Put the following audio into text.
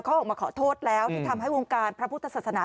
เขาออกมาขอโทษแล้วที่ทำให้วงการพระพุทธศาสนา